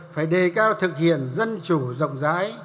phải đề cao thực hiện dân chủ rộng rãi